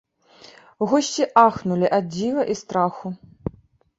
Госці ахнулі ад дзіва і страху.